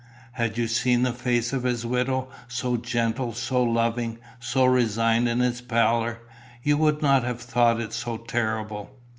"Had you seen the face of his widow, so gentle, so loving, so resigned in its pallor, you would not have thought it so terrible."